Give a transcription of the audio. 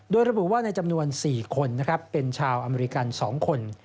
โดยระบุว่าในจำนวน๔คนเป็นชาวอเมริกัน๒คน